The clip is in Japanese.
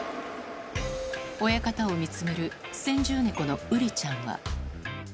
親方を見つめる先住猫のウリちゃんは。